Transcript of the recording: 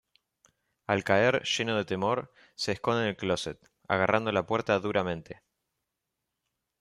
Al caer, lleno de temor, se esconde en el closet, agarrando la puerta duramente.